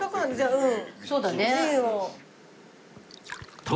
うん。